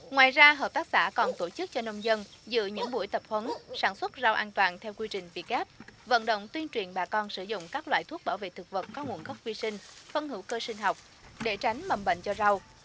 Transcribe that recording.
ngoài ra hợp tác xã còn tổ chức cho nông dân dự những buổi tập huấn sản xuất rau an toàn theo quy trình việt gáp vận động tuyên truyền bà con sử dụng các loại thuốc bảo vệ thực vật có nguồn gốc vi sinh phân hữu cơ sinh học để tránh mầm bệnh cho rau